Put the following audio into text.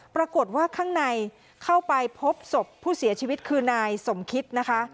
ปรากฏว่าข้างในเข้าไปพบศพผู้เสียชีวิตคือนายสมคิดนะคะ